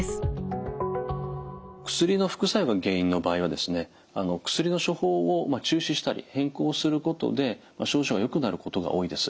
薬の副作用が原因の場合はですね薬の処方を中止したり変更することで症状がよくなることが多いです。